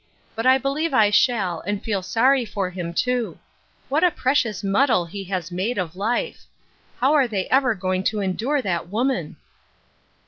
But I believe I shall, and feel sorry for him, too. What a precious mud dle he has made of life ! How are they ever going to endure that woman?'